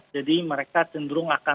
jadi mereka cenderung akan